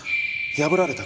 破られた？